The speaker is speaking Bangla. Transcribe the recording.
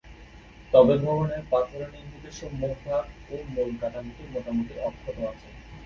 তবে ভবনের পাথরে নির্মিত সম্মুখভাগ ও মূল কাঠামোটি মোটামুটি অক্ষত আছে।